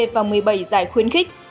và một mươi bảy giải khuyến khích